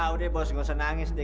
udah berapa banyak